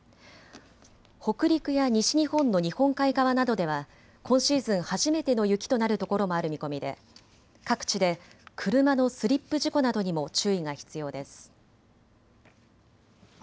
北陸や西日本の日本海側などでは今シーズン初めての雪となるところもある見込みで各地で車のスリップ事故などにも注意が必要です。